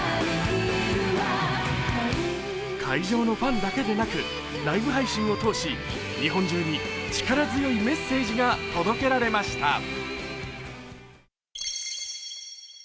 会場のファンだけでなく、ライブ配信を通し、日本中に力強いメッセージが届けられました。